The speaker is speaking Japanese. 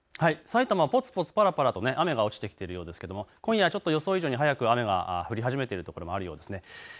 埼玉、ぽつぽつぱらぱらと雨が落ちてきているようですけれども今夜はちょっと予想以上に早く雨が降り始めているところもあるようですね。